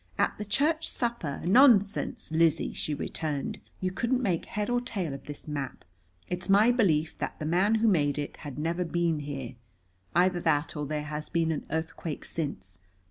At the church supper " "Nonsense, Lizzie," she returned. "You couldn't make head or tail of this map. It's my belief that the man who made it had never been here. Either that or there has been an earthquake since.